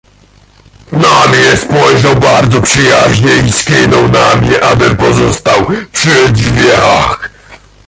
"Na mnie spojrzał bardzo przyjaźnie i skinął na mnie, abym pozostał przy drzwiach."